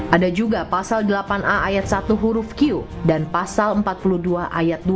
ada juga pasal delapan a ayat satu huruf q dan pasal empat puluh dua ayat dua